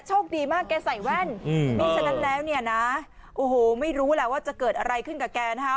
โชคดีมากแกใส่แว่นไม่ฉะนั้นแล้วเนี่ยนะโอ้โหไม่รู้แหละว่าจะเกิดอะไรขึ้นกับแกนะคะ